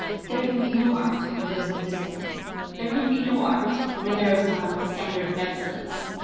There can be no art where there is no discipline, there can be no art where there is not a high standard of excellence.